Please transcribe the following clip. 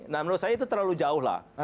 nah menurut saya itu terlalu jauh lah